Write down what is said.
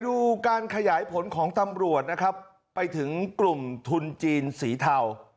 ดูการขยายผลของตำรวจนะครับไปถึงกลุ่มทุนจีนสีเทา